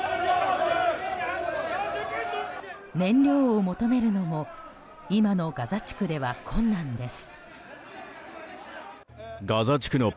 燃料を求めるのも今のガザ地区では困難です。